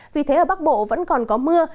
vì thế ở bắc bộ vẫn còn có mưa